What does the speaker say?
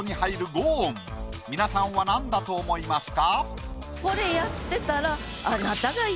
５音皆さんはなんだと思いますか？